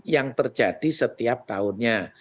yang terjadi setiap tahunnya